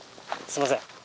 すいません。